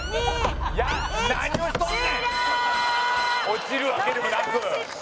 落ちるわけでもなく。